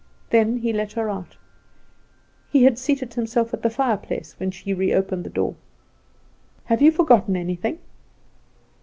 Then he let her out. He had seated himself at the fireplace, when she reopened the door. "Have you forgotten anything?"